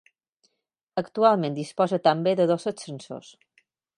Actualment disposa també de dos ascensors.